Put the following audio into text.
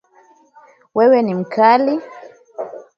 Wewe ni mkali